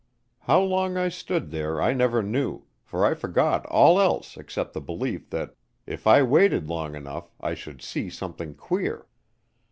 How long I stood there I never knew, for I forgot all else except the belief that if I waited long enough I should see something queer.